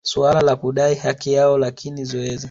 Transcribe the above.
suala la kudai haki yao lakini zoezi